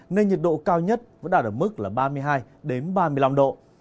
nên nhiệt độ cao nhất vẫn đạt ở mức là ba mươi hai ba mươi năm độ